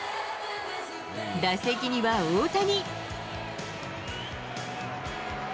打席には大谷。